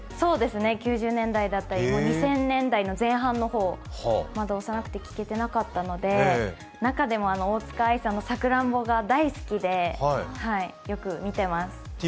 ９０年代だったり２０００年代の前半の方、まだ幼くて聴けていなかったので、中でも大塚愛さんの「さくらんぼ」が大好きで、よく見ています。